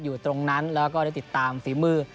อยู่ตรงนั้นแล้วก็ได้ติดตามฝีมือ